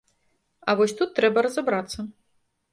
А вось тут трэба разабрацца.